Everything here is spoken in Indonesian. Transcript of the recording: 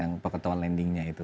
dengan peketuan lendingnya itu